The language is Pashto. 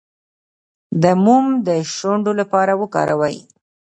د موم د شونډو لپاره وکاروئ